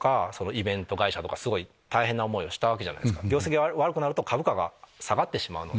業績が悪くなると株価が下がってしまうので。